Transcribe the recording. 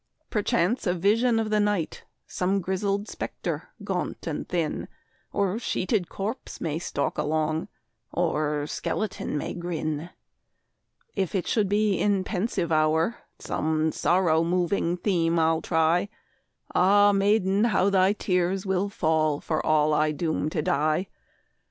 Perchance a vision of the night, Some grizzled spectre, gaunt and thin, Or sheeted corpse, may stalk along, Or skeleton may grin. If it should be in pensive hour Some sorrow moving theme I try, Ah, maiden, how thy tears will fall, For all I doom to die!